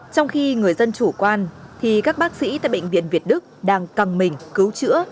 trong khi người dân chủ quan thì các bác sĩ tại bệnh viện việt đức đang căng mình cứu chữa